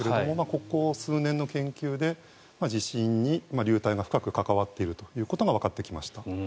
ここ数年の研究で地震に流体が深く関わっているということがわかってきました。